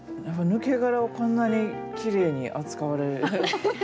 抜け殻をこんなにきれいに扱われ。